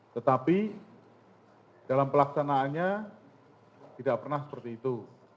tetapi dalam pelaksanaannya tidak pernah seperti itu